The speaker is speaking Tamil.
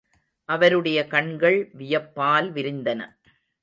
அவருடைய கண்கள் வியப்பால் விரிந்தன.